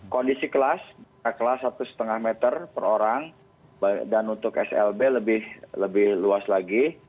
kondisi kelas satu lima meter per orang dan untuk slb lebih luas lagi